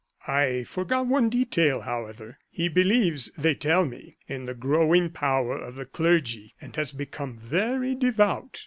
I forgot one detail, however, he believes, they tell me, in the growing power of the clergy, and has become very devout."